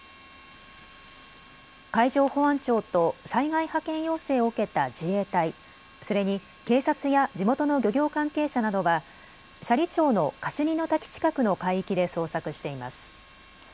海上保安庁と災害派遣要請を受けた自衛隊、それに警察や地元の漁業関係者などは斜里町のカシュニの滝近くの海域で捜索しています。